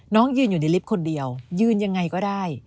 ยืนอยู่ในลิฟต์คนเดียวยืนยังไงก็ได้